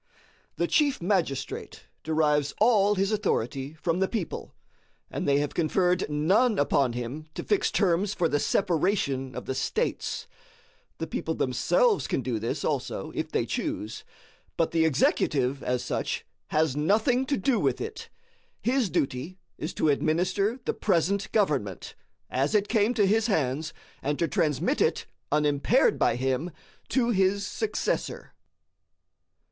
The chief magistrate derives all his authority from the people, and they have conferred none upon him to fix terms for the separation of the states. The people themselves can do this also if they choose; but the executive, as such, has nothing to do with it. His duty is to administer the present government, as it came to his hands, and to transmit it, unimpaired by him, to his successor.